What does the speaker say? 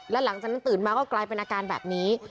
แล้วหลังจากนั้นตื่นมาก็กลายเป็นอาการแบบนี้